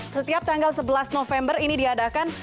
setiap tanggal sebelas november ini diadakan